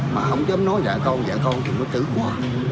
mà không chấm nói dạ con dạ con thì mới tử quá